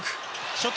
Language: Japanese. ショット